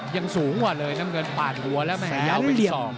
ยังสูงกว่าเลยน้ำเงินปาดหัวแล้วแม่ยาวไปที่สอง